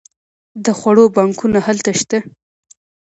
د خوړو بانکونه هلته شته.